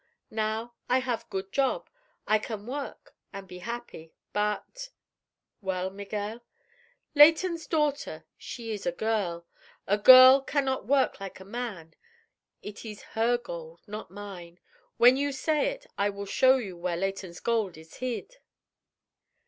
Now I have good job. I can work an' be happy. But—" "Well, Miguel?" "Leighton's daughter, she ees a girl. A girl can not work like a man. It ees her gold, not mine. When you say it, I will show you where Leighton's gold ees hid."